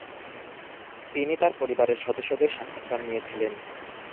তিনি তাঁর পরিবারের সদস্যদের সাক্ষাৎকার নিয়েছিলেন।